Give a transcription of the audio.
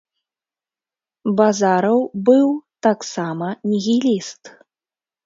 Базараў быў таксама нігіліст.